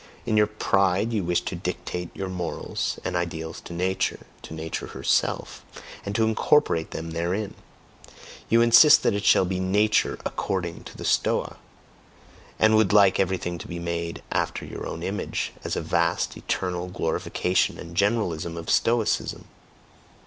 In your pride you wish to dictate your morals and ideals to Nature, to Nature herself, and to incorporate them therein; you insist that it shall be Nature "according to the Stoa," and would like everything to be made after your own image, as a vast, eternal glorification and generalism of Stoicism!